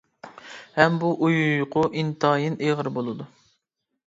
ھەم بۇ ئۇيقۇ ئىنتايىن ئېغىر بولىدۇ.